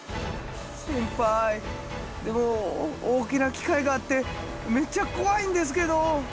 先輩でも大きな機械があってめっちゃ怖いんですけど。